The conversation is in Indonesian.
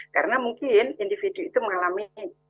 karena mungkin individu itu mengalami